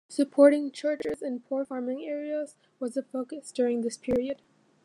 Supporting churches in poor farming areas was a focus during this period.